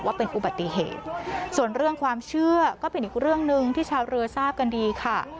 ว่าเป็นอุบัติเหตุส่วนเรื่องความเชื่อก็เป็นอีกเรื่องหนึ่งที่ชาวเรือทราบกันดีค่ะ